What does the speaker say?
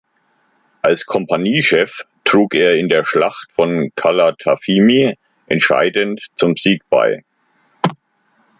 Als Kompaniechef trug er in der Schlacht von Calatafimi entscheidend zum Sieg bei.